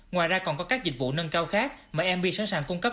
ngoài ra còn có các dịch vụ nâng cao khác mà mb sẵn sàng cung cấp